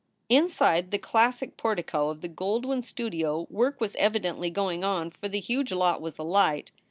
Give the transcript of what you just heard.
Inside the classic portico of the Goldwyn Studio work was evidently going on, for the huge lot was alight.